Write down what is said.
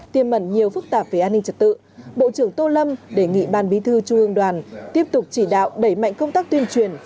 tiêm mẩn nhiều phức tạp về an ninh trật tự bộ trưởng tô lâm đề nghị ban bí thư trung ương đoàn tiếp tục chỉ đạo đẩy mạnh công tác tuyên truyền